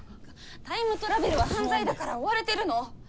タイムトラベルは犯罪だから追われてるの。